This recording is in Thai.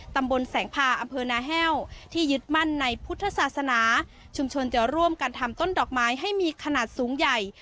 ตำบลแสงพาอำเภอนาแห้วที่ยึดมั่นในพุทธศาสนาชุมชนจะร่วมกันทำต้นดอกไม้ให้มีขนาดสูงใหญ่